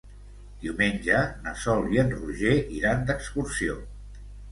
Diumenge na Sol i en Roger iran d'excursió.